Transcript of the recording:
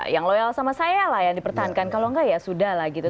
kalau sama saya lah yang dipertahankan kalau nggak ya sudah lah gitu